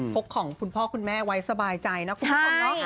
กของคุณพ่อคุณแม่ไว้สบายใจนะคุณผู้ชมเนาะ